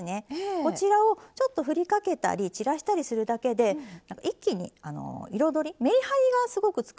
こちらをちょっとふりかけたり散らしたりするだけで一気に彩りめりはりがすごくつくんです。